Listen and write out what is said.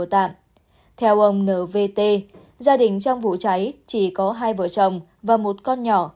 theo ông n v t gia đình trong vụ cháy chỉ có hai vợ chồng và một con nhỏ